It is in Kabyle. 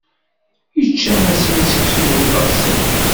Ičča Masin seksu bu teɣsayt.